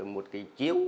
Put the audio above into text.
một cái chiếu